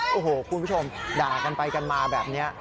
โอ้โหคุณผู้ชมด่ากันไปกันมาแบบนี้